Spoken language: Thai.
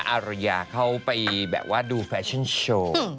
อารยาเขาไปแบบว่าดูแฟชั่นโชว์